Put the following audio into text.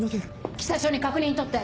北署に確認取って。